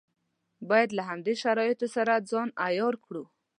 باید له همدې شرایطو سره ځان عیار کړو.